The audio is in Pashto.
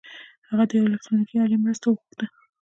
هغه د یوې الکټرونیکي الې مرسته وغوښته